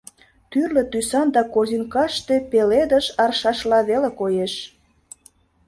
Тӱрлӧ тӱсан да корзинкаште пеледыш аршашла веле коеш.